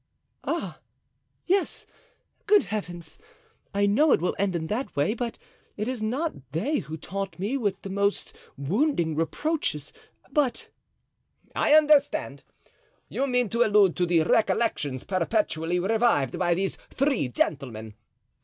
"Ah, yes! Good heavens! I know it will end in that way; but it is not they who taunt me with the most wounding reproaches, but——" "I understand; you mean to allude to the recollections perpetually revived by these three gentlemen.